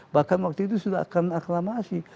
bahkan waktu itu sudah akan aklamasi